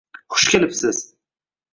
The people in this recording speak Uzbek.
Xush kelibsiz!